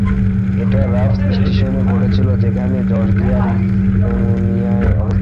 এটা রাফস্ স্টেশনে ঘটেছিল, যেটা এখন জর্জিয়ার স্মুর্ণায় অবস্থিত।